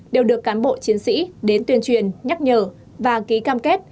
đều được cán bộ chiến sĩ đến tuyên truyền nhắc nhở và ký cam kết